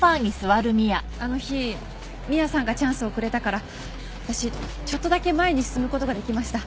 あの日ミアさんがチャンスをくれたから私ちょっとだけ前に進むことができました。